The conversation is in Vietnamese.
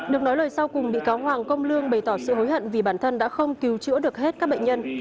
được nói lời sau cùng bị cáo hoàng công lương bày tỏ sự hối hận vì bản thân đã không cứu chữa được hết các bệnh nhân